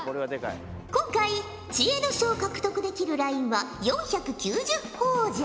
今回知恵の書を獲得できるラインは４９０ほぉじゃ。